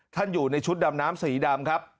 อยู่ในชุดดำน้ำสีดำครับ